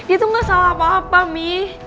itu gak salah apa apa nih